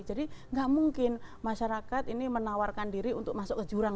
jadi gak mungkin masyarakat ini menawarkan diri untuk masuk ke jurang